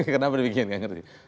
kenapa demikian gak ngerti